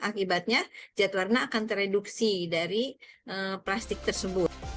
akibatnya jadwalnya akan tereduksi dari plastik tersebut